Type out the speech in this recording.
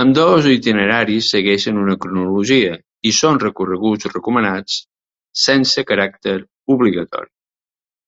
Ambdós itineraris segueixen una cronologia i són recorreguts recomanats, sense caràcter obligatori.